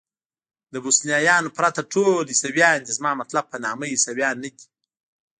د بوسنیایانو پرته ټول عیسویان دي، زما مطلب په نامه عیسویان نه دي.